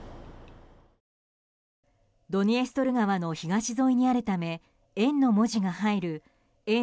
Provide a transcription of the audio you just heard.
ドニエストル川の東沿いにあるため「沿」の文字が入る沿